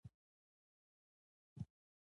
کۀ د چا بې کنټروله خیالونه دومره زيات شوي وي